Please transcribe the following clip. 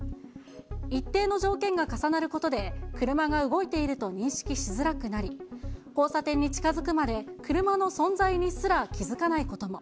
一定の条件が重なることで、車が動いていると認識しづらくなり、交差点に近づくまで、車の存在にすら気付かないことも。